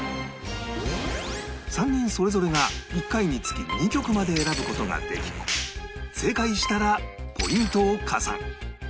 ３人それぞれが１回につき２曲まで選ぶ事ができ正解したらポイントを加算